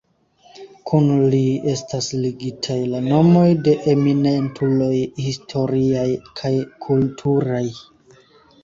Kun ili estas ligitaj la nomoj de eminentuloj historiaj kaj kulturaj.